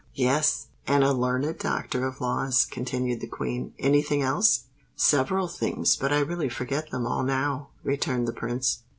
"Yes—and a Learned Doctor of Laws," continued the Queen: "any thing else?" "Several things—but I really forget them all now," returned the Prince.